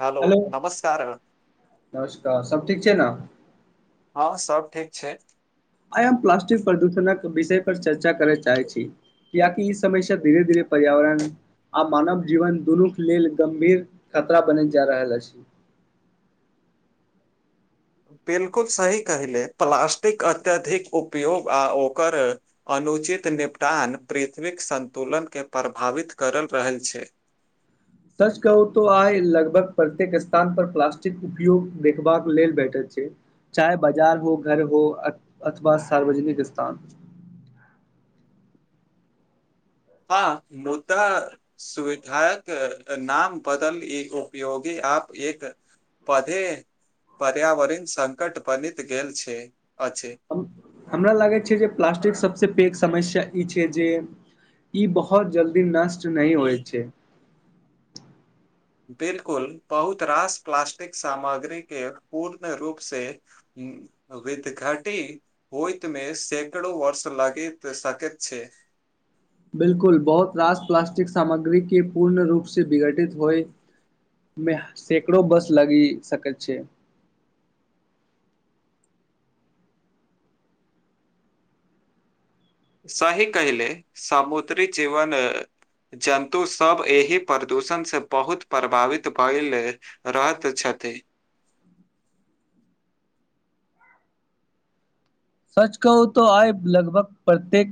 Hello नमस्कार। तऽ सब ठीक छैय ने? हँ सब ठीक छैय। आइ हम प्लास्टिक प्रदूषणक विषय पर चर्चा करय चाहैत छी किया कि ई समय से धीरे धीरे पर्यावरण आ मानव जीवन दुनू के लेल गंभीर कार्य यात्रा बने जा रहल अछी बिल्कुल सही कहले प्लास्टिक अत्यधिक उपयोग आ ओकर अनुचित निपटान पृथ्वीक सन्तुलनकेँ प्रभावित करल रहल छै [unintelligible] सच कहू तो आइ लगभग प्रत्येक स्थान पर प्लास्टिक उपयोग देखबाक लेल भैटत जी चाहे बाजार हो घर हो अथवा सार्वजनिक स्थान [unintelligible] हँ मुद्दा सुविधायक नाम बदल ई उपयोगी आप एक पधे पर्यावरण संकट बनित गेल छै अछि हमरा लागै छै जे प्लास्टिक सबस पेघ समस्या ई छै जे ई बहुत जल्दी नष्ट नहि होइ छै बिल्कुल बहुत रास प्लाासस्टिक सामग्री के पूर्ण रूप से विद घटी होइत मे सैकड़ो वर्ष लगी सकै छै ह [unintelligible] बिल्कुल बहुत रास प्लाास्टिक सामग्री के पूर्ण रूप से विघटित होइ मे सैकड़ो बर्ष लगी सकैत छै साही कहहिले समुद्री जीवन जन्तु सभ एहि प्रदूषण से बहुत प्रभावित भैले रहैत छथि [unintelligible] [unintelligible] सच कहू तो आइ लगभग प्रत्येक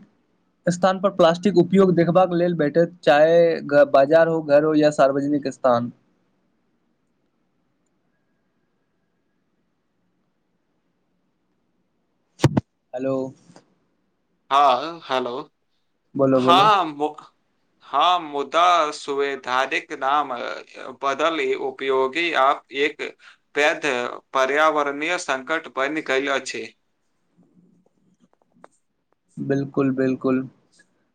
स्थान पर प्लास्टिक उपयोग देखबाक लेल बैठे चाहे बाजार हो घर हो या सार्वजनिक पाकिस्तान हेलो हँ हेलो बोलो बोलो हँ हँ मुदा सुवैधानिक नाम बदल उपयोगी आब एक पेध पर्यावरणीय संकट बनि गयल अछि बिल्कुल बिल्कूल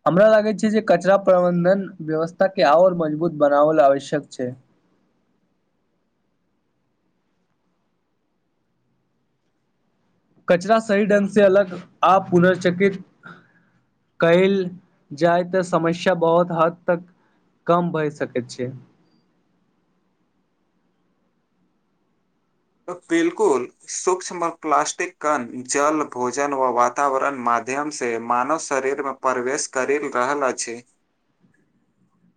हमरा लागै छै जे कचरा प्रबन्धन व्यवस्था के आओर मजबूत बनाबल आवश्यक छै कचरा सही ढंग से अलग आ पुनर्चकित कयल जाइ तऽ समस्या बहुत हद तक कम भइ सकैत छै बिल्कुल सूक्ष्म प्लास्टिक कन जल भोजन व वातावरण मान माध्यम से मानव शरीरमे प्रवेश करि रहल अछि [unintelligible]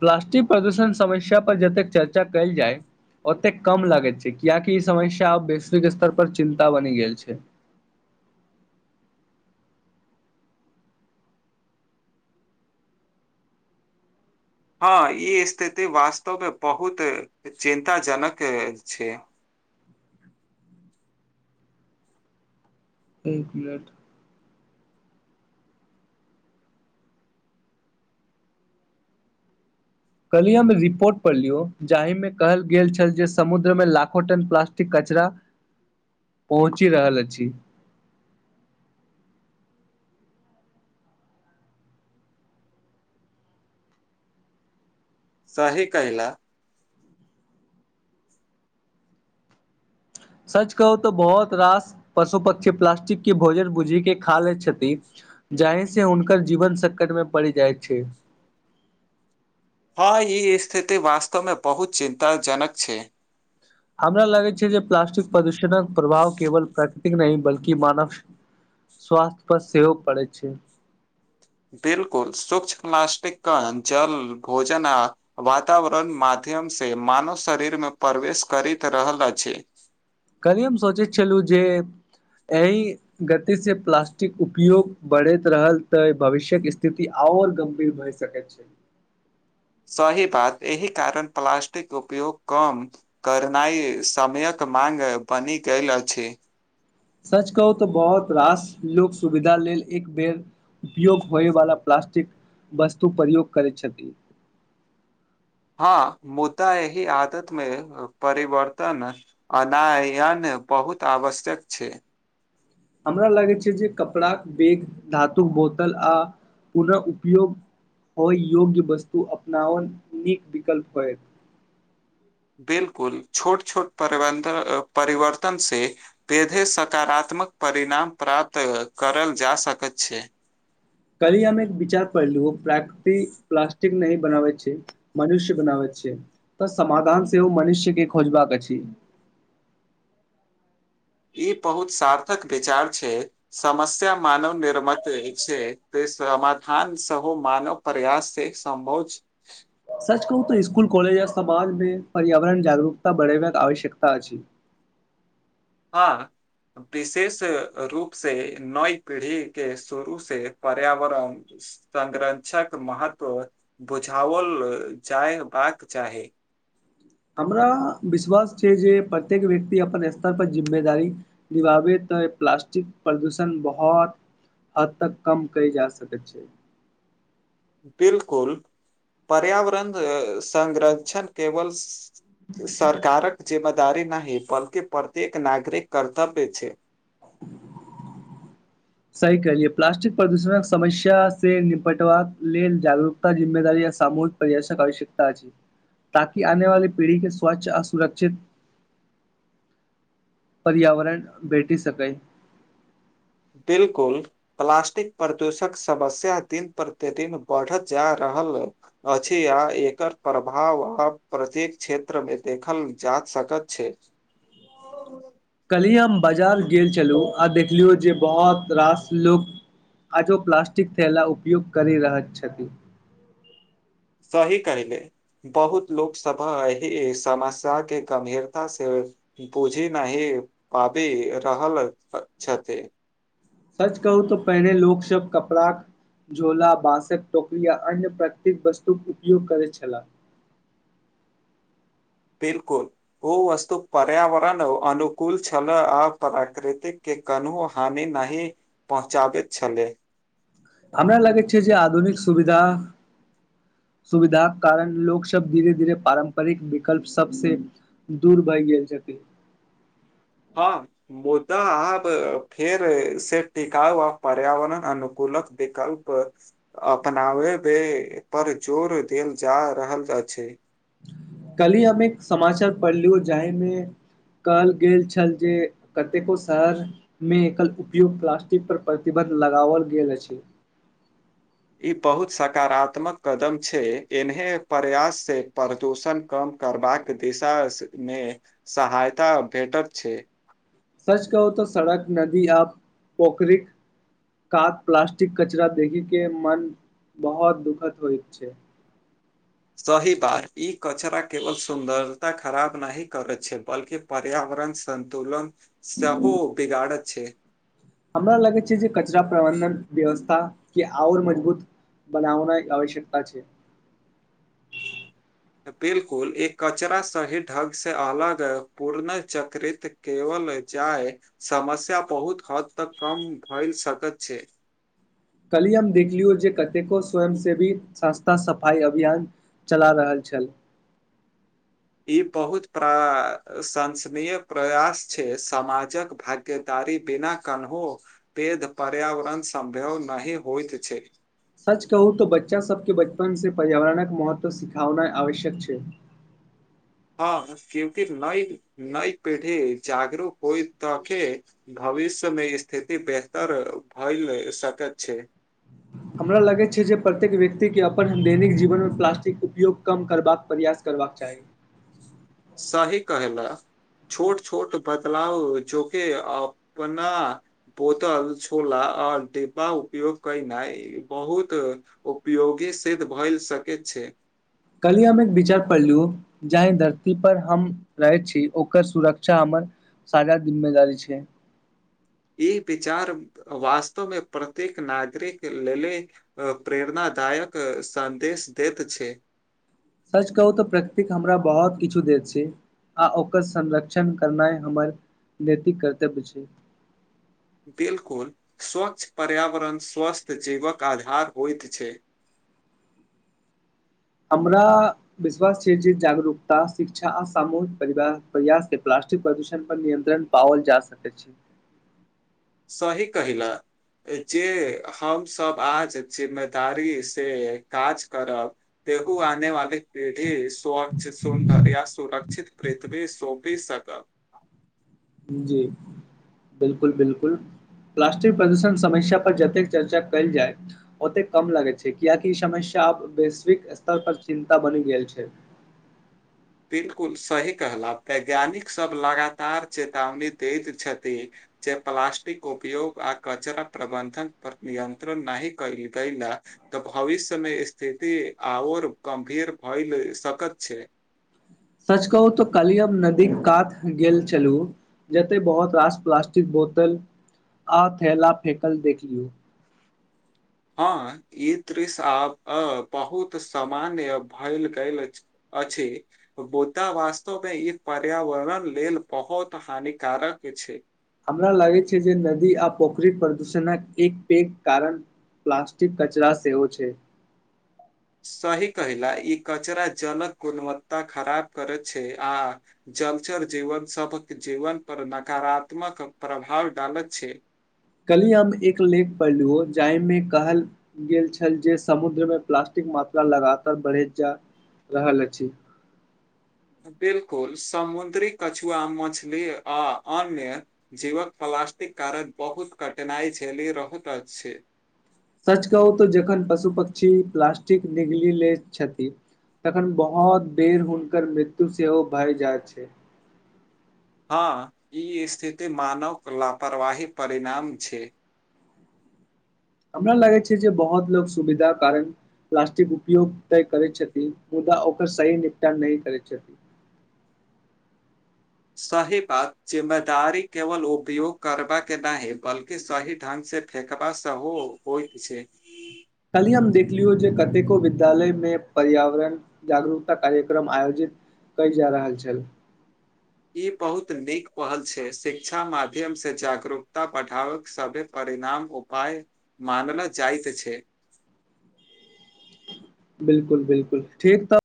प्लास्टिक प्रदूषण समस्या पर जतेक चर्चा कयल जाय ओतेक कम लागैत छै कियाकि ई समस्या आब वैश्विक स्तर पर चिन्ता बनि गेल छै [unintelligible] हँ ई स्थिति वास्तवमे बहुत चिन्ताजनक छै एक मिनट कल्हि हम रिपोर्ट पर लियौ जाहिमे कहल गेल छल जे समुद्रमे लाखो टन प्लास्टिक कचा पहुँचि रहल अछि सही कहिला सच कहू तऽ बहुत रास पशु पक्षी प्लास्टिक क भोजन भुझी के खा ले छथि जाहि से हुनकर जीवन संकट मे पड़ि जाइत छै हँ ई स्थिति वास्तवमे बहुत चिन्ताजनक छै हमरा लगै छै जे प्लास्टिक प्रदूषणक प्रभाव केवल प्राकृ तिक नहि बल्कि मानव स्वास्थ्य पर सेहो पड़ै छै बिलकुल सूक्ष प्लासस्टिक कन जल भोजन आ वातावरण मा माध्यम से मानव शरीरमे प्रवेश करैत रहल अछि कहली हम सोचै छलहुँ जे एहि गतिसँ प्लास्टिक उपयोग बढ़ैत रहल तऽ भविष्यक स्थिति आब आर गंभीर भइ सके छै सही बात एहि कारण प्लाासस्टिक उपयोग कम करनाइ समयक माँंग बनी गेल अछि सच कहू तऽ बहुत रास लोक सुविधा लेल एक बेर उपयोग होयवाला प्ला स्टिक वस्तु प्रयोग करै छथि हँ मुद्दा एहि ही आदत मे परिवर्तन अनायन बहुत आवश्यक छै हमरा लागै छै जे कपड़ाक बैग धातुक बोतल आ पुनः उपयोग होइ योग्य वस्तु अपनाओल नीक विकल्प होय [inaudible] बिलकुल छोट छोट परिवर्तन से बेेधे सकारात्मक मक परिणाम प्राप्त करल जा सकैत छै [inaudible] कलहि हम एक विचार पढ़लु प्राकृति प्लासटिक नहि बनाबै छै मनुष्य बनावै छै छै तऽ समाधान से ओ मनुष्य के खोजबाक अछि ई बहुत सार्थक विचार छै समस्य मानव निर्मत अछै समाधान सेहो मानव प्रयास से सम्भव सच कहू तऽ स्कूल कलेज समाजमे पर्यावरण जागरूकता बढ़बाक आवश्यकता अछि [inaudible] हँ विशेष रूप से नई पीढ़ी के शुरू से पर्यावरण संरक्षक महत्व बुझाओल जयबाक चाही हमरा विश्वास छै जे प्रत्येक व्यक्ति अपन स्तर पर जिम्मेदारी निभाबैत प्लास्टिक प्रदूषण बहुत हद तक कम कऽ जा सकैत छै बिलकुल पर्यावरण संरक्षण केवल सरकारक जिम्मेदारी नहि बल्कि प्रत्येक नागरिक कर्तव्य छै [inaudible] सही कहलियै प्लास्टिक प्रदूषणक समस्या से निपटबाक लेल जागरूकता जिम्मेवारी आ सामूहि पर्यर्शक आवश्यकता अछि ताकि आने वाली पीढ़ी के स्वच्छ आ सुरक्षित पर्यावरण भेटी सकै बिलकुल प्लाासस्टिक प्रदूषणक समस्या दिन प्रतिदिन बढ़त जा रहा अछि आ एकर प्रभाव आब प्रत्येक क्षेत्र मे देखल जा सक सकत छै [inaudible] कलहि हम बाजार गेल छलहुँ आ देखलियौ जे बहुत रास लोक आजो प्लास्टिक थैला उपयोग करै रहैत छथि सही कहहिले बहुत लोकसभा एहि समस्य के गंभीरता से बुछि नहि पाबी रहलल छथि सच कहू तऽ पहिने लोक सब कपड़ा झोला बाँसक टोकरी आ अन्य प्रत्येक वस्तु उपयोग करैत छलाह [inaudible] बिलकुल ओ वस्तु पर्यावरण अनुकूल छल आ प्राकृतिक कनहुँ हानि नहि पहुँचाबैत छलै हमरा लागै छै जे आधुनिक सुविधा सुविधाक कारण लोक सब धीरे धीरे पारम्परिक विकल्प सब से दूर भए गेल छथिन [inaudible] हँ मुदा आब फेर से टिकाउ आ पर्यावरण अनुकूल लक विकल्प अपनाबै पर जोर देल जा रहल अछि कल्हि हम एक समाचार पढ़लियौ जाहिमे कहल गेल छल जे कतेको शहरमे एकर उपयोग प्लास्टिक पर प्रतिबन्ध लगाओल गेल अछि ई बहुत सकारात्मक कदम छै एन्हे प्रयास से प्रदूषण कम करबाक दिशामे सहायता भेटक छै सच कहु तऽ सड़क नदी आ पोखरिक कात प्लास्टिक कचरा देखिके के मन बहुत दुःखद होइत छै सही बात ई कचरा केवल सुन्दरता खराब नहि करैत छै बल्कि पर्याप्त वरण सन्तुलन सहो बिगाड़ैत छै हमरा लगैत छै जे कचरा प्रबन्धन व्यवस्था के आओर मजबूत बनाओनाइ आवश्यकता छै बिल्कुल एक कचरा सही ढंग से आलाग पूर्णःचक्रित केवल जाय समस्या बहुत हद तक कम भए सकैत छै ह [inaudible] कल्हि हम देखलियो जे कतेको स्वयं सेवी संस्था सफाई अभियान चला रहल छै छै ई बहुत प्राशंसनीय प्रयास छै समाजक भाग्यदारी बिना कन्हो पेध पर्यावरण संभव नहि होइत छै सच कहू तऽ बच्चा सबके बचपन से पर्यावरणक महत्व सिखाओनाइ आवश्यक छै [inaudible] हँ क्यूंकि नइ नइ पीढ़ी जागरूक होइ तके भ भविष्यमे स्थिति बेहतर भइल सकैत छै ह [inaudible] हमरा लगैत छै जे प्रत्येक व्यक्ति के अपन दैनिक जीवन मे प्लास्टिक उपयोग कम करबाक प्रयास करबाक चाही सही कहेला छोट छोट बदलाव जोके अपना बोतल छोला आर डिब्बा उपयोग केनाइ बहुत उपयोगी सिद्ध भय सकैत छैय। छैय कली हम एक विचार पढ़लहु जाहि धरती पर हम रहैत छी ओकर सुरक्षा हमर साझा जिम्मेवारी छै ई विचार वास्तवमे प्रत्येक नागरिक लेले प्रेरणा दायक संदेश दैत छै सच कहू तऽ प्रकृतिक हमरा बहुत किछु देैत छै आ ओकर संरक्षण करनाइ हमर नैतिक कर्तव्य छै बिलकुल स्वच्छ पर्यावरण स्वस्थ जीवक आधार होइत छै [inaudible] हमरा विश्वास छै जे जागरूकता शिक्षा आ सामूहिक प्रयास से प्लास्टिक प्रदूषण पर नियन्त्रण पावल जा सकैत छै सही कहिल जे हमसभ आज जिम्मेदारी से काज करब तेगू आने वाली पीढ़ी स्वच्छ सुन्दर या सुरक्षित पृथ्वी सोंपी सकत जी बिलकुल बिलकुल प्लास्टिक प्रदूषण समस्या पर जतेक चर्चा कयल जाय ओतेक कम लगैत छै कियाकि ई समस् चाप वैश्विक स्तर पर चिन्ता बनि गेल छै बिलकुल सही कहला वैज्ञानिक सभ लगातार चेतावनी दैत छथिन जे प्लास्टिक उपयोग आ कचरा प्रबन्धन पर नियत्रण नहि [unintelligible] त भविष्यमे स्थिति आऔर गंभीर भइ सकत छैय। सच कहू तऽ कलि हम नदी कात गेल छलू जते बहुत रास प्लास्टिक बोतल आ थैला फेेकल देखलू। हँ ई दृश्य आ बहुत सामान्य भैल गेल अछि। अछि बोदा वास्तवमे ई पर्यावरण लेल बहुत हानिकारक छैय। हमरा लागय छैय जे नदी आ पोखरी प्रदूषणक एक पैघ कारण प्लास्टिक कचरा सेहो छैय। सही कहिईला ई कचरा जलक गुलवत्ता खराब करैत छैय आ चलचर जीवन सभक जीवन पर नकारात्मक प्रभाव डालैत छैय। कलियम एक लेख पर लुहो जाहिमे कहल गेल छल जे समुद्रमे प्लास्टिक मात्रा लगातार बढ़ैत जा रहल अछि। बिलकुल समुद्री कछुआ मछली आ अन्य जीवक फला प्लास्टिक कारण बहुत कटनााइ झेलि रहत अछि। सच कहू त जखन पशु पक्षी प्लास्टिक निगली लौत छथि तखन बहुत बेर हुनकर मृत्यु सेहो भय जाइत छैय। हँ ई स्थिति मानवक लापरवाही परिणाम छैय। हमरा लागै छैय जे बहुत लोक सुविधा कारण प्लस्टिक उपयोग त करैत छथि मुदा ओकर सही निपटान नहि करैत छथि। [inaudible] सही बात जिम्मेदारी केवल उपयोग करबाक के नहि बलकि सही ढंग से [unintelligible] छैय काली हम देखलियौ जे कतेको विद्यालय मे पर्यावरण जागरूकता कार्यक्रम आयोजित कयल जा रहल छल। ई बहुत नीक पहल छैय शिक्षा माध्यमसँ जागरूकता बढ़ाबक सभ पर परिणाम उपाय मानल जाइत छैय। बिलकुल बिलकुल ठीक त